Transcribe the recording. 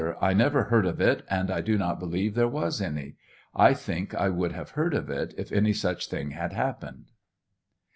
1 never heard of it, and I do not believe there was any. »* I think I would have heard of it if any such thing had happened.